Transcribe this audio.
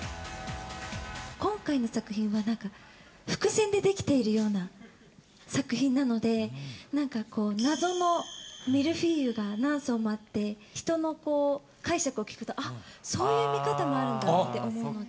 今回の作品はなんか、伏線で出来ているような作品なので、なんかこう、謎のミルフィーユが何層もあって、人の解釈を聞くと、あっ、そういう見方もあるんだって思うので。